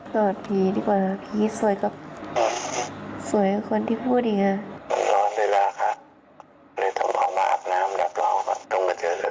นี่ล่ะค่ะเลยทำหมากน้ำหลับหลองต้องมาเที่ยวเท่าคืนนึง